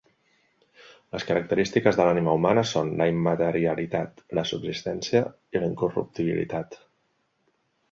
Les característiques de l'ànima humana són la immaterialitat, la subsistència i la incorruptibilitat.